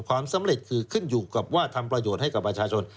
ความสำเร็จคือขึ้นอยู่กับว่าทำประโยชน์ให้กับประชาชน